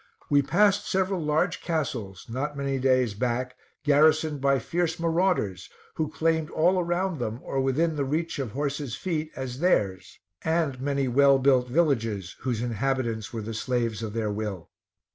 We passed several large castles, not many days back garrisoned by fierce marauders, who claimed all around them, or within the reach of their horses' feet, as theirs; and many well built villages, whose inhabitants were the slaves of their will.